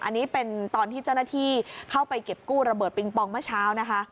อันนี้เป็นตอนที่เจ้าหน้าที่เข้าไปเก็บกู้ระเบิดปิงปองเมื่อเช้านะคะ